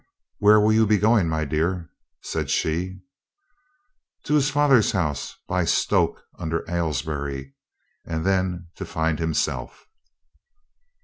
"Where will you be going, my dear?" said she. "To his father's house by Stoke under Aylesbury. And then to find himself."